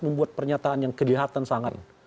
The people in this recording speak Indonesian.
membuat pernyataan yang kelihatan sangat